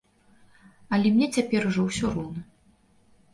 Але мне цяпер ужо ўсё роўна.